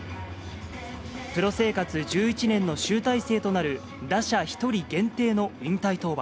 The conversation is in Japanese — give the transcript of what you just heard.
プロ生活１１年の集大成となる打者１人限定の引退登板。